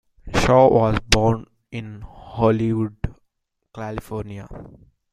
Shaw was born in Hollywood, California.